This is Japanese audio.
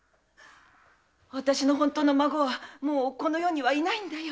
わたしの本当の孫はもうこの世にはいないんだよ！